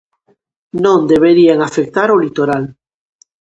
Non deberían afectar ao litoral.